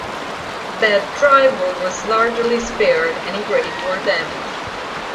Bad Driburg was largely spared any great war damage.